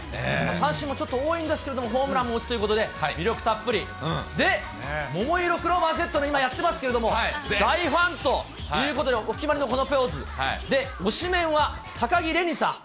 三振もちょっと多いんですけれども、ホームランも打つということで、魅力たっぷり、で、ももいろクローバーＺの今、やってますけれども、大ファンということで、お決まりのこのポーズ、で、推しメンは高城れにさん。